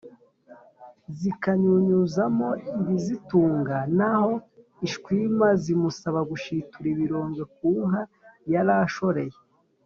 zikanyunyuzamo ibizitunga, naho ishwima zimusaba gushitura ibirondwe ku nka yarashoreye